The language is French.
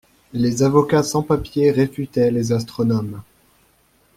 Les avocats sans papiers réfutaient les astronomes.